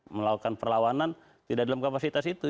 melakukan perlawanan tidak dalam kapasitas itu